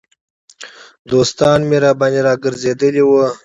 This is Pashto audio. دوستان مې راباندې را ګرځېدلي وو.